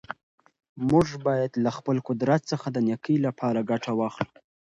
موږ باید له خپل قدرت څخه د نېکۍ لپاره ګټه واخلو.